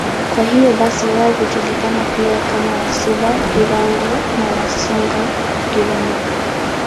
Kwa hiyo basi wao hujulikana pia kama Wasuba-Girango au Wasuna-Girango.